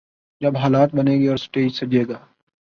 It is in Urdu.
جب حالات بنیں گے اور سٹیج سجے گا۔